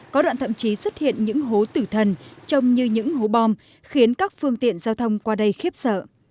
có đoạn thậm chí xuất hiện những hố tử thần trông như những hố bom khiến các phương tiện giao thông qua đây khiếp sợ